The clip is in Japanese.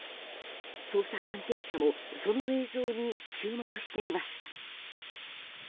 捜査関係者もその映像に注目していました。